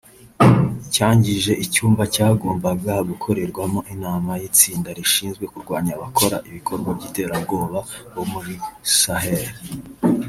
cyangije icyumba cyagombaga gukorerwamo inama y’tsinda rishinzwe kurwanya abakora ibikorwa by’iterabwoba bo muri Sahel